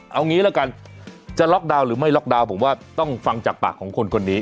เอางี้ละกันจะล็อกดาวน์หรือไม่ล็อกดาวน์ผมว่าต้องฟังจากปากของคนคนนี้